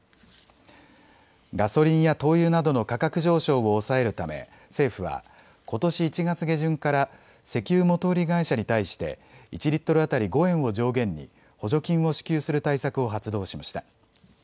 ガソリンや灯油などの価格上昇を抑えるため政府はことし１月下旬から石油元売り会社に対して１リットル当たり５円を上限に補助金を支給する対策を発動しました。